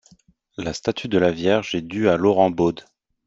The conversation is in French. La statue de la Vierge est due à Laurent Baud.